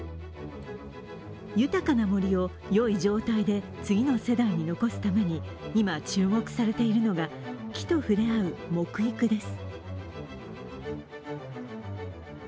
豊かな森を、良い状態で次の世代に残すために今、注目されているのが木と触れ合う木育です。